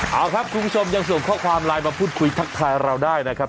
เอาครับคุณผู้ชมยังส่งข้อความไลน์มาพูดคุยทักทายเราได้นะครับ